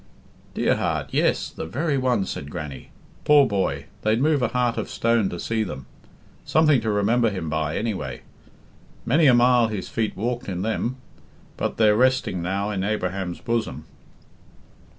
"Dear heart, yes, the very ones," said Grannie. "Poor boy, they'd move a heart of stone to see them. Something to remember him by, anyway. Many a mile his feet walked in them; but they're resting now in Abraham's bosom."